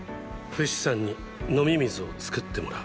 フシさんに飲み水を作ってもらう？